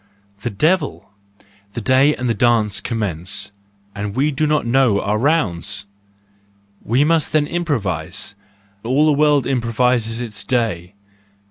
The devil! The day and the dance commence, and we do not know our rounds! We must then improvise,—all the world improvises its day.